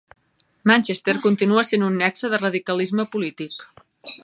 Manchester continuà sent un nexe de radicalisme polític.